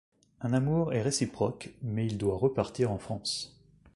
Un amour est réciproque mais il doit repartir en France.